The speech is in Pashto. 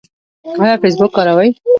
ایا فیسبوک کاروئ؟